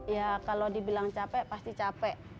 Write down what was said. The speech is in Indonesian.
ya kalau dibilang capek pasti capek